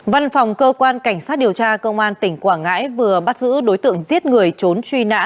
văn phòng cơ quan cảnh sát điều tra công an tỉnh quảng ngãi vừa bắt giữ đối tượng giết người trốn truy nã